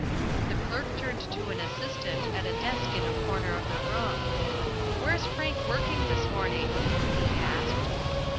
The clerk turned to an assistant at a desk in a corner of the room. "Where's Frank working this morning?" he asked.